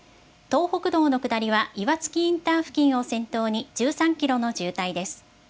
東北道の下りはいわつきインター付近を先頭に、１３キロの渋滞です。